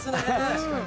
確かに。